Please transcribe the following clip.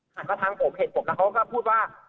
หันมาทางผมเห็นผมแล้วเขาก็พูดว่า